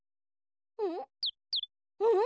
うん？